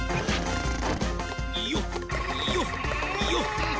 よっよっよっよっ。